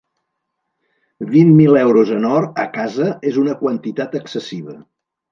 Vint mil euros en or, a casa, és una quantitat excessiva.